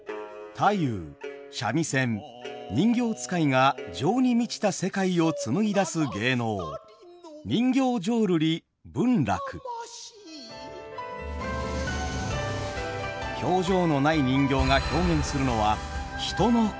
太夫三味線人形遣いが「情」に満ちた世界を紡ぎ出す芸能表情のない人形が表現するのは人の心。